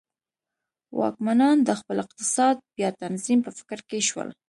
واکمنان د خپل اقتصاد بیا تنظیم په فکر کې شول.